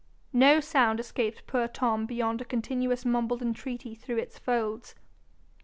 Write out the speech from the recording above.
No sound escaped poor Tom beyond a continuous mumbled entreaty through its folds.